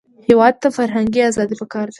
هېواد ته فرهنګي ازادي پکار ده